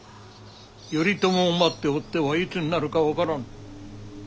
頼朝を待っておってはいつになるか分からん。